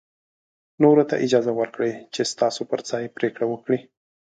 نورو ته اجازه ورکړئ چې ستاسو پر ځای پرېکړه وکړي.